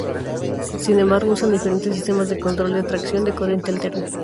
Sin embargo, usan diferentes sistemas de control de tracción de corriente alterna.